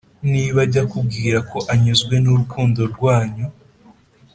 niba ajya akubwira ko anyuzwe n’urukundo rwanyu